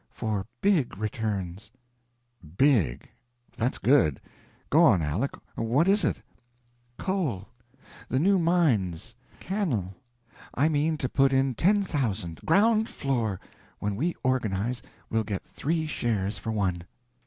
"For big returns." "Big. That's good. Go on, Aleck. What is it?" "Coal. The new mines. Cannel. I mean to put in ten thousand. Ground floor. When we organize, we'll get three shares for one."